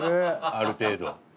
ある程度。